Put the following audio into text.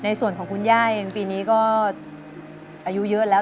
ในส่วนของคุณย่าเองปีนี้ก็อายุเยอะแล้ว